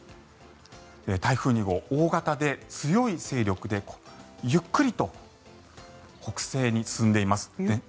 台風２号、大型で強い勢力でゆっくりと北西に進んでいます。